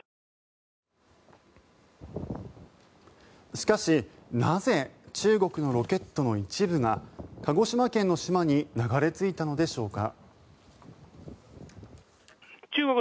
しかし、なぜ中国のロケットの一部が鹿児島県の島に流れ着いたのでしょうか。